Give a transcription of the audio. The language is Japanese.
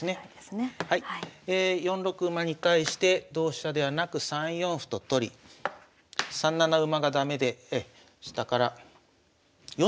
４六馬に対して同飛車ではなく３四歩と取り３七馬が駄目で下から４二銀と引いたわけですね。